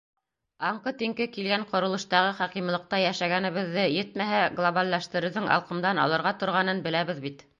Аңҡы-тиңке килгән ҡоролоштағы хакимлыҡта йәшәгәнебеҙҙе, етмәһә, глобалләштереүҙең алҡымдан алырға торғанын беләбеҙ бит.